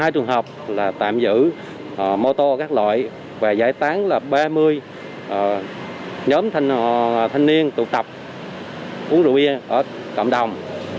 hai trường hợp là tạm giữ mô tô các loại và giải tán là ba mươi nhóm thanh niên tụ tập uống rượu bia ở cộng đồng